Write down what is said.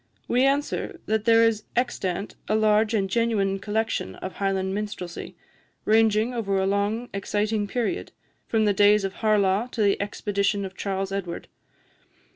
we answer, that there is extant a large and genuine collection of Highland minstrelsy, ranging over a long exciting period, from the days of Harlaw to the expedition of Charles Edward.